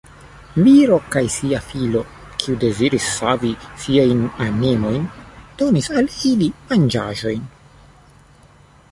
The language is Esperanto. Viro kaj sia filo, kiu deziris savi siajn animojn, donis al ili manĝaĵojn.